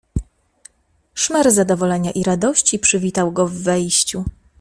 "Szmer zadowolenia i radości przywitał go w wejściu."